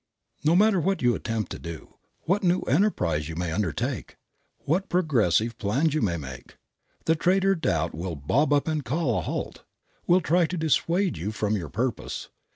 No matter what you attempt to do, what new enterprise you may undertake, what progressive plans you may make, the traitor doubt will bob up and call a halt, will try to dissuade you from your purpose.